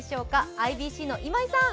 ＩＢＣの今井さん